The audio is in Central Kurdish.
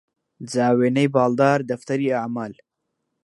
جا وێنەی باڵدار دەفتەری ئەعمال